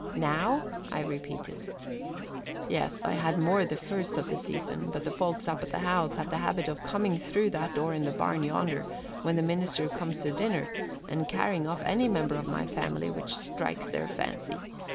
"Now?" I repeated. "Yes. I had more the first of the season, but the folks up at the house have the habit of coming through that door in the barn yonder when the minister comes to dinner and carrying off any member of my family which strikes their fancy.